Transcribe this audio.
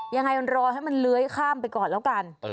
ยังไงรอให้มันเลื้อยข้ามไปก่อนแล้วกัน